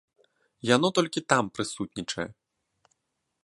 Яно толькі там прысутнічае.